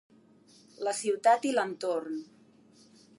La ciutat i l'entorn